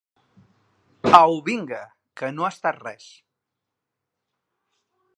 Au vinga, que no ha estat res.